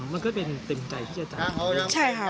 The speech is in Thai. มันก็เป็นเต็มใจมากทาง